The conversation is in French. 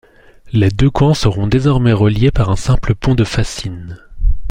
Les deux camps seront désormais reliés par un simple pont de fascines.